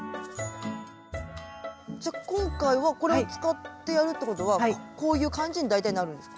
今回はこれを使ってやるってことはこういう感じに大体なるんですか？